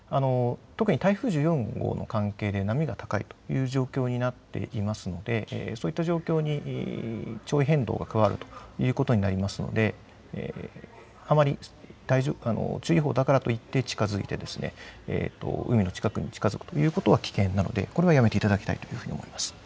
特に台風１４号の関係で波が高いという状況になっていますのでそういった状況に潮位変動が加わるということになりますのであまり注意報だからといって海の近くに近づくということは危険なのでこれはやめていただきたいと思います。